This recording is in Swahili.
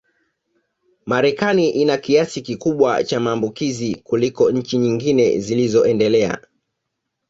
Marekani ina kiasi kikubwa cha maambukizi kuliko nchi nyingine zilizoendelea